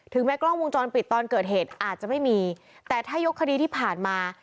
แม้กล้องวงจรปิดตอนเกิดเหตุอาจจะไม่มีแต่ถ้ายกคดีที่ผ่านมา